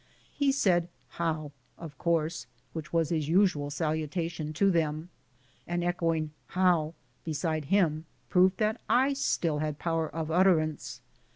He said " How," of course, which was his usual saluta tion to them. An echoing "how" beside him proved that I still had power of utterance.